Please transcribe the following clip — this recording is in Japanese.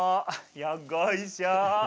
よっこいしょ。